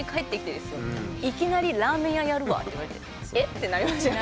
いきなり「ラーメン屋やるわ」って言われて「え？」ってなりますよね。